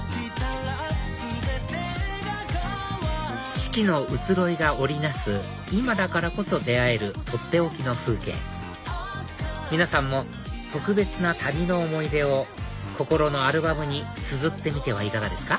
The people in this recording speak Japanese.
四季の移ろいが織り成す今だからこそ出会えるとっておきの風景皆さんも特別な旅の思い出を心のアルバムにつづってみてはいかがですか？